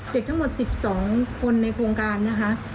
เด็กทั้งหมด๑๒คนในโครงการนะคะ